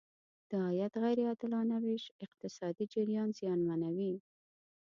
د عاید غیر عادلانه ویش اقتصادي جریان زیانمنوي.